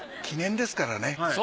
記念ですからね。